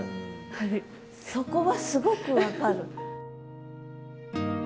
そこはすごく分かる。